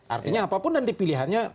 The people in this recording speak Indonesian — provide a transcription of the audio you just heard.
artinya apapun dan dipilihannya